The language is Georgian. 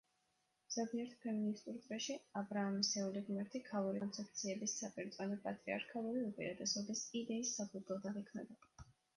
ზოგიერთ ფემინისტურ წრეში აბრაამისეული ღმერთი ქალური კონცეფციების საპირწონე პატრიარქალური უპირატესობის იდეის საფუძვლად აღიქმება.